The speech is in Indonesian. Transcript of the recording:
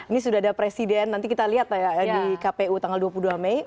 ini sudah ada presiden nanti kita lihat ya di kpu tanggal dua puluh dua mei